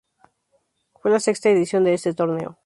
Fue la sexta edición de este torneo.